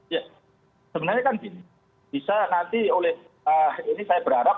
ya sebenarnya kan gini bisa nanti oleh ini saya berharap